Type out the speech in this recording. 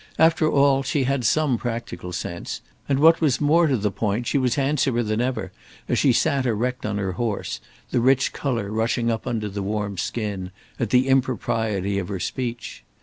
After all, she had some practical sense, and what was more to the point, she was handsomer than ever, as she sat erect on her horse, the rich colour rushing up under the warm skin, at the impropriety of her speech.